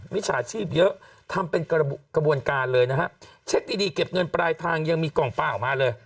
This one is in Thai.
วิชาชีพเยอะทำเป็นกระบวนการเลยนะฮะเช็คดีดีเก็บเงินปลายทางยังมีกล่องปลาออกมาเลย